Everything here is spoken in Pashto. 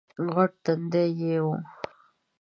غټ تندی یې وو